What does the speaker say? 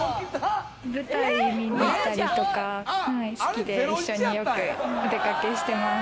舞台、見に行ったりとか好きで、一緒によくお出かけしてます。